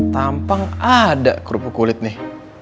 tampang ada kerupuk kulit nih